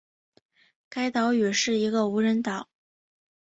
该岛屿是一个无人岛。